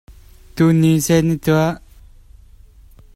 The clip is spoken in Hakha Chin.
Mi rep ngai a si.